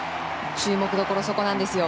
注目どころそこなんですよ。